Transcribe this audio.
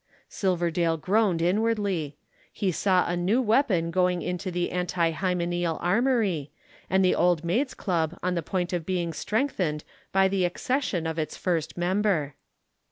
Silverdale groaned inwardly; he saw a new weapon going into the anti hymeneal armory, and the Old Maids' Club on the point of being strengthened by the accession of its first member.